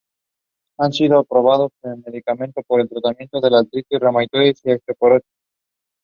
Lucy Maynard Salmon was its first principal.